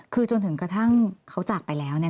คือจนถึงกระทั่งเขาจากไปแล้วเนี่ย